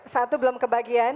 satu belum kebahagiaan